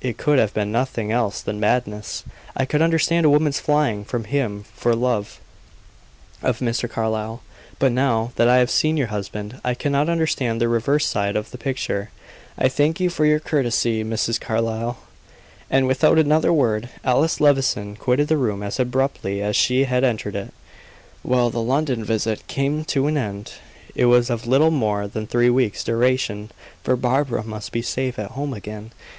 It could have been nothing else than madness. I could understand a woman's flying from him for love of Mr. Carlyle; but now that I have seen your husband, I cannot understand the reverse side of the picture. I thank you for your courtesy, Mrs. Carlyle." And, without another word, Alice Levison quitted the room as abruptly as she had entered it. Well, the London visit came to an end. It was of little more than three weeks' duration, for Barbara must be safe at home again.